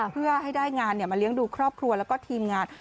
เพื่อให้ได้งานมาเลี้ยงดูครอบครัวแล้วก็ทีมงาน